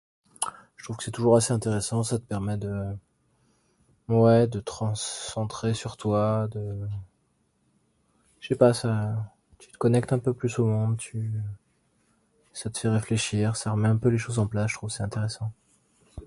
Je trouve que c'est toujours assez intéressant, ça te permet de ouais de te recentrer sur toi, de j'sais pas, ça te connecte un peu plus au monde, tu ça te fait réfléchir, ça remet les choses en place, je trouve ça intéressant